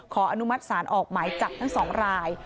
อนุมัติศาลออกหมายจับทั้ง๒ราย